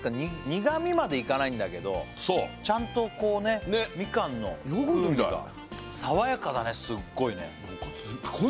苦みまでいかないんだけどそうちゃんとこうねヨーグルトみたいすっごいね